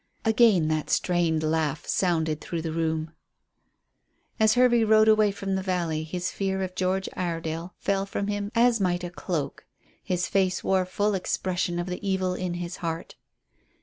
Again that strained laugh sounded through the room. As Hervey rode away from the valley his fear of George Iredale fell from him as might a cloak. His face wore full expression of the evil in his heart.